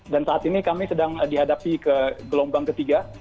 dan saat ini kami sedang dihadapi ke gelombang ketiga